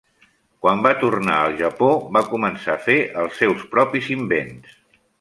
Quan va tornar al Japó va començar a fer els seus propis invents.